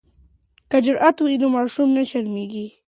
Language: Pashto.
که جرات وي نو ماشوم نه شرمیږي.